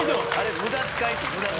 無駄遣い